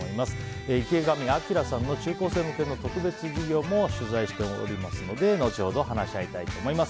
池上彰さんの中高生向けの特別授業も取材しておりますので後ほど話し合いたいと思います。